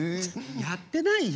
やってないよ！